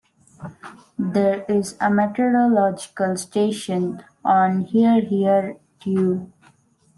There is a meteorological station on Hereheretue.